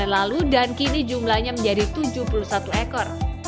seribu sembilan ratus sembilan puluh sembilan lalu dan kini jumlahnya menjadi tujuh puluh satu ekor